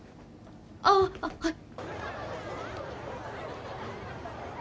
ああっはい。